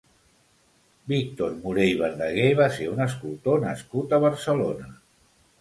Víctor Moré i Verdaguer va ser un escultor nascut a Barcelona.